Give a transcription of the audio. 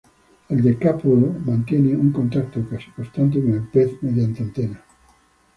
El decápodo mantiene un contacto casi constante con el pez mediante antena.